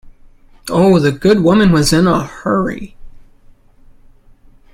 Oh, the good woman was in a hurry!